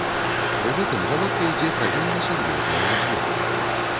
Пры гэтым гаворка ідзе пра вельмі сур'ёзныя аб'ёмы.